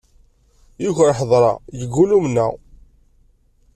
Yuker ḥeḍreɣ, yeggul umneɣ.